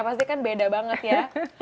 pasti kan beda banget ya